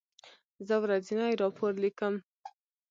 زه ورځنی راپور لیکم.